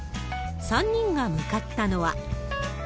３人が向かったのは。